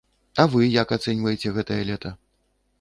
А вы як ацэньваеце гэтае лета?